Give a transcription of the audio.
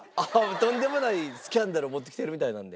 とんでもないスキャンダル持ってきてるみたいなんで。